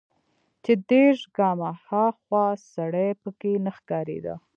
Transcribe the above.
چې دېرش ګامه ها خوا سړى پکښې نه ښکارېده.